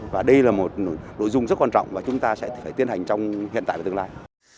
và đây là một nội dung rất quan trọng và chúng ta sẽ phải tiến hành trong hiện tại và tương lai